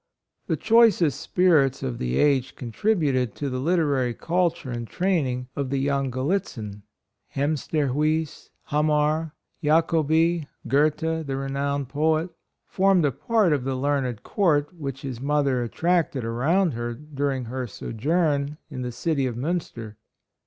The choicest spirits of the age contributed to the literary culture and training of the young Gallit zin, Hemsterhuis, Hamar, Jacobi, Goethe, the renowned poet, formed a part # of the learned Court which his mother attracted around her during her sojourn in the city of Munster.